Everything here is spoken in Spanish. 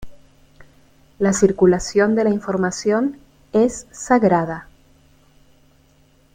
La circulación de información es sagrada.